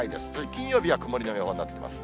金曜日は曇りの予報になってます。